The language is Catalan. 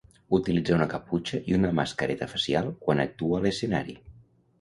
Utilitza una caputxa i una mascareta facial quan actua a l'escenari.